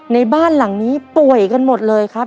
ในบ้านหลังนี้ป่วยกันหมดเลยครับ